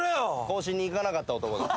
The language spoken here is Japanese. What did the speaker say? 更新に行かなかった男だ。